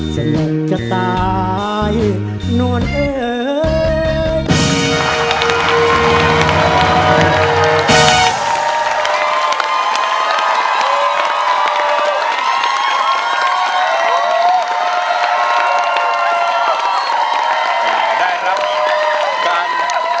เสน่ห์จะตายน้วนเอ่ย